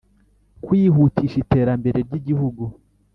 Kwihutisha iterambere ry igihugu